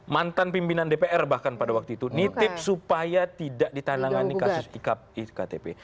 mantan pimpinan dpr bahkan pada waktu itu nitip supaya tidak ditandangani kasus iktp